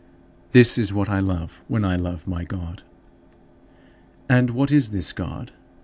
This is what I love when I love my God. 9. And what is this God?